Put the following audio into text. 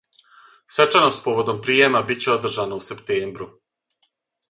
Свечаност поводом пријема биће одржана у септембру.